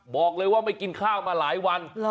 บอกเลยว่าไม่กินข้าวมาหลายวัน